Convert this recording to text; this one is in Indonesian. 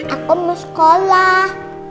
aku mau sekolah